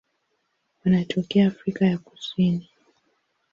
Wanatokea Afrika ya Kusini.